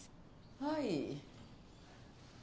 ・はい。